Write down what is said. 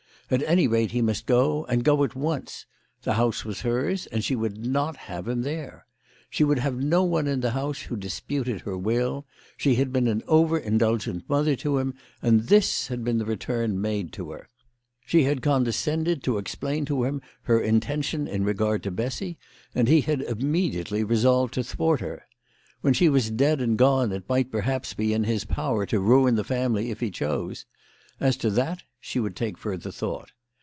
At any rate he must go, and go at once. The house was hers, and she would not have him there. She would have no one in the house who disputed her will. She had been an over indulgent mother to him, and this had been the return made to her ! She had con descended to explain to him her intention in regard to Bessy, and he had immediately resolved to thwart her. When she was dead and gone it might perhaps be in his power to ruin the family if he chose. As to that she would take further thought.